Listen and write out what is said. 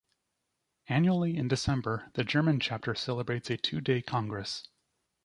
Annually in December the German chapter celebrates a two-day congress.